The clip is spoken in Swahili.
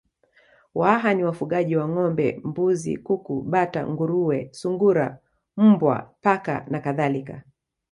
Waha ni wafugaji wa ngombe mbuzi kuku bata nguruwe sungura mbwa paka na kadhalika